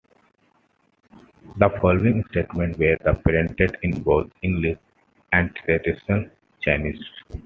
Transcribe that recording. The following statements were printed in both English and traditional Chinese.